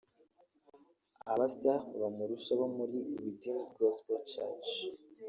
aba star bamurusha bo muri Redeemed Gospel church